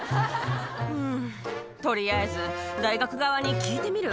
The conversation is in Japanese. うーん、とりあえず大学側に聞いてみる？